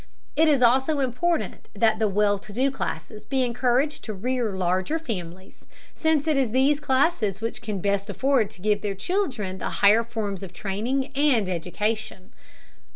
It is also important that the well to do classes be encouraged to rear larger families, since it is these classes which can best afford to give their children the higher forms of training and education.